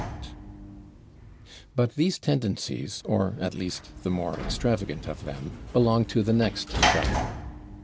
" But these tendencies, or at least the more extravagant of them, belong to the next chapter.